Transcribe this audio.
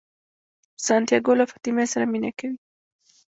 سانتیاګو له فاطمې سره مینه کوي.